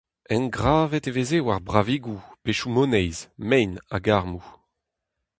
Engravet e veze war bravigoù, pezhioù moneiz, mein hag armoù.